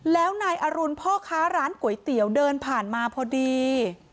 แล้วนายอรุณพ่อค้าร้านก๋วยเตี๋ยวเดินผ่านมาพอดี